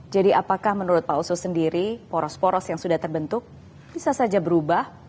jadi apakah menurut pak oso sendiri poros poros yang sudah terbentuk bisa saja berubah